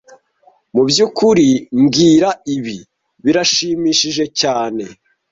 Mubyukuri mbwira Ibi birashimishije cyane.